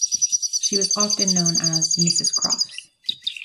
She was often known as "Mrs Crofts".